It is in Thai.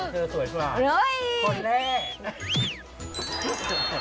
กลต์แรก